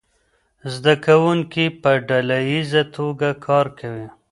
زده کوونکي په ډله ییزه توګه کار کوي.